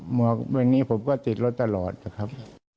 หมอกวันนี้ผมก็ติดรถตลอดนะครับ